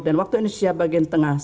dan waktu indonesia bagian tengah